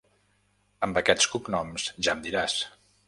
Amb aquests cognoms, ja em diràs.